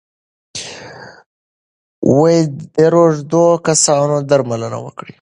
د روږدو کسانو درملنه وکړئ.